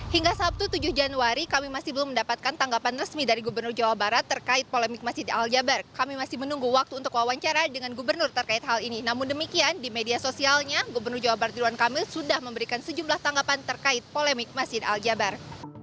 hingga sabtu tujuh januari kami masih belum mendapatkan tanggapan resmi dari gubernur jawa barat terkait polemik masjid al jabar kami masih menunggu waktu untuk wawancara dengan gubernur terkait hal ini namun demikian di media sosialnya gubernur jawa barat ridwan kamil sudah memberikan sejumlah tanggapan terkait polemik masjid al jabar